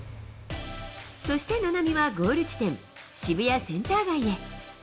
そして菜波はゴール地点、渋谷センター街へ。